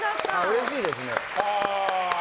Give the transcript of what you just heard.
うれしいですね。